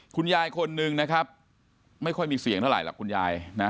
คุณยายคนนึงนะครับไม่ค่อยมีเสียงเท่าไหรหรอกคุณยายนะ